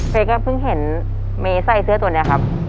เฮ้ยก็เพิ่งเห็นเมีย์ไส้เสื้อตัวนี้ครับ